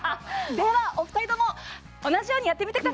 ではお二人とも同じようにやってみてください！